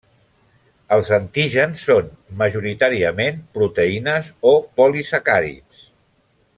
Els antígens són majoritàriament proteïnes o polisacàrids.